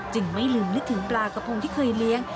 ไม่ลืมนึกถึงปลากระพงที่เคยเลี้ยง